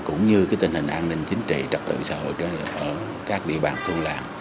cũng như tình hình an ninh chính trị trật tự xã hội ở các địa bàn thôn làng